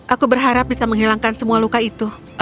aku berharap kau akan menemukan aku di bumi ini